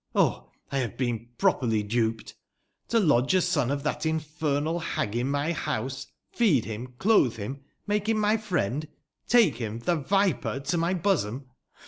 Oh, I bave been properly duped ! To lodge a son of tbat infernal bag in my bouse — ^feed bim, clotbe bim, make bim my friend — ^take bim, tbe viper ! to my bosom